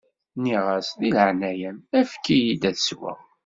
Nniɣ-as: Di leɛnaya-m, efk-iyi-d ad sweɣ.